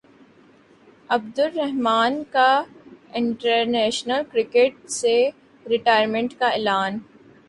عبدالرحمن کا international cricket سے retirement کا اعلان